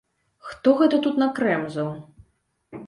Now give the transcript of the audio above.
Хто гэта тут накрэмзаў?